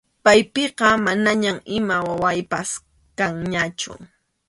Paypiqa manañam ima wawaypas kanñachu.